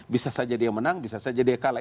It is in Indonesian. bisa saja dia menang bisa saja dia kalah